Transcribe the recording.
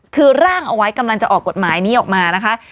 คือร่างเอาไว้กำลังจะออกกฎหมายนี้ออกมานะคะ